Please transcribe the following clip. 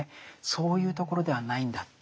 そういうところではないんだって。